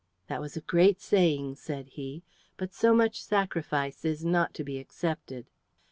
"That was a great saying," said he, "but so much sacrifice is not to be accepted."